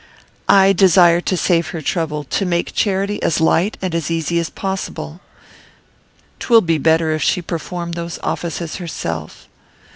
"I desire to save her trouble; to make charity as light and easy as possible. 'Twill be better if she perform those offices herself.